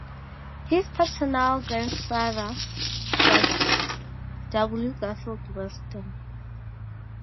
His paternal grandfather was W. Garfield Weston.